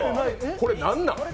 これ、何なん？